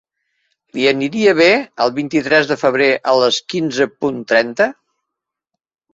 Li aniria bé el vint-i-tres de febrer a les quinze punt trenta?